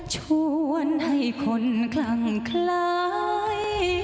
ชวนให้คนคลั่งคล้าย